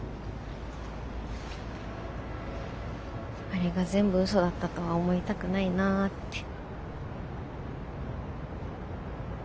あれが全部嘘だったとは思いたくないなぁって。